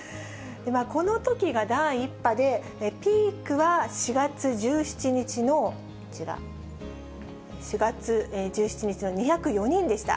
このときが第１波で、ピークは４月１７日のこちら、４月１７日の２０４人でした。